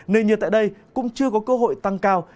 nền nhiệt tại đây cũng chưa có cơ hội tăng cao